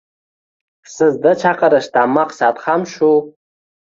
Sizdi chaqirishdan maqsad ham shu